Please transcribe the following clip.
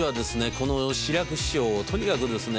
この志らく師匠をとにかくですね